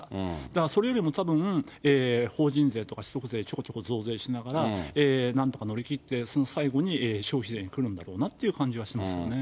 だからそれよりもたぶん法人税とか所得税をちょこちょこ増税しながら、なんとか乗り切って、その最後に消費税がくるんだろうなという感じはしますけどね。